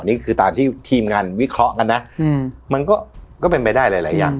นี่คือตามที่ทีมงานวิเคราะห์กันนะมันก็เป็นไปได้หลายอย่าง